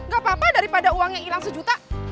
gak apa apa daripada uangnya hilang sejuta